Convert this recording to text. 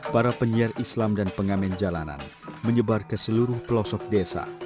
para penyiar islam dan pengamen jalanan menyebar ke seluruh pelosok desa